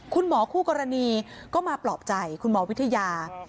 คู่กรณีก็มาปลอบใจคุณหมอวิทยา